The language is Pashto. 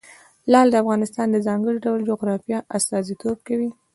لعل د افغانستان د ځانګړي ډول جغرافیه استازیتوب کوي.